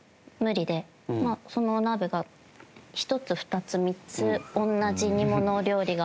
そのお鍋が１つ２つ３つ同じ煮物料理が。